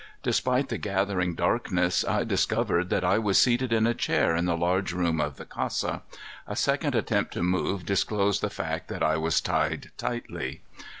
Despite the gathering darkness, I discovered that I was seated in a chair in the large room of the casa. A second attempt to move disclosed the fact that I was tied tightly.